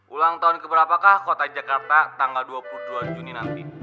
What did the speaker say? ulang tahun keberapakah kota jakarta tanggal dua puluh dua juni nanti